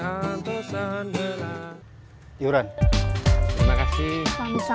kalau ama aku maafkan luci